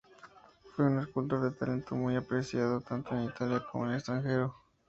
Fue un escultor de talento muy apreciado tanto en Italia como en el extranjero.